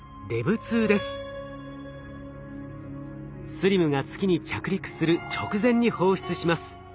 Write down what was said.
ＳＬＩＭが月に着陸する直前に放出します。